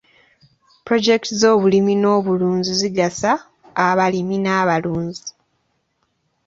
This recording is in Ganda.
Pulojekiti z'obulimi n'obulunzi zigasa abalimi n'abalunzi.